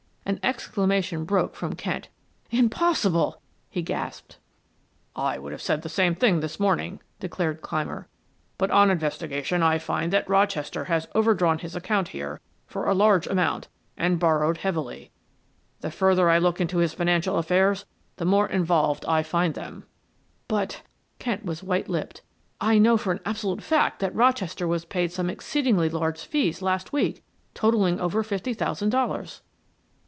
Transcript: An exclamation broke from Kent. "Impossible!" he gasped. "I would have said the same this morning," declared Clymer. "But on investigation I find that Rochester has over drawn his account here for a large amount and borrowed heavily. The further I look into his financial affairs the more involved I find them." "But" Kent was white lipped. "I know for an absolute fact that Rochester was paid some exceedingly large fees last week, totaling over fifty thousand dollars."